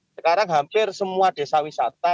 sekarang hampir semua desa wisata